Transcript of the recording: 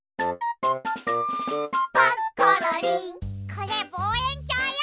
これぼうえんきょうよ。